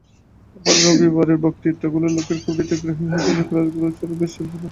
আমার রবিবারের বক্তৃতাগুলি লোকের খুব হৃদয়গ্রাহী হয়েছিল, ক্লাসগুলিও বেশ চলেছিল।